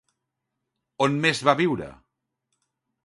On més va viure?